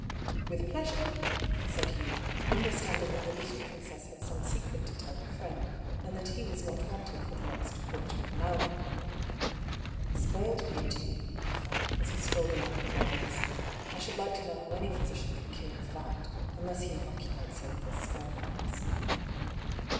" With pleasure," said Hugh, understanding that the little princess had some secret to tell her friend, and that he was not wanted for the next quarter of an hour. " A spoilt beauty," he thought, as he strolled along the lobbies. " I should like to know how any physician can cure tJiat^ unless he inoculates her with the small pox